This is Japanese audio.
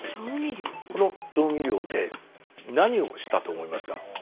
この調味料で何をしたと思いますか？